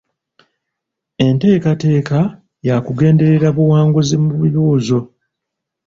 Enteekateeka yakugenderera buwanguzi mu bibuuzo.